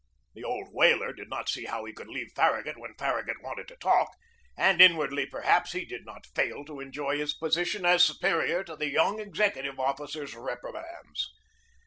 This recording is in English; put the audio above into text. The old whaler did not see how he could leave Farragut when Farragut wanted to talk, and in wardly, perhaps, he did not fail to enjoy his posi tion as superior to the young executive officer's rep rimands.